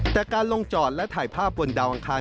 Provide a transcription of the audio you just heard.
แต่การลงจอดและถ่ายภาพบนดาวอังคาร